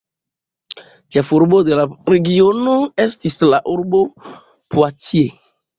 Ĉefurbo de la regiono estis la urbo Poitiers.